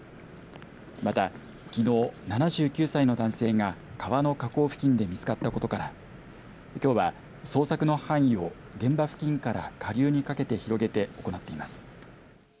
また、きのう７９歳の男性が川の河口付近で見つかったことからきょうは捜索の範囲を現場付近から下流にかけて広げて行っています。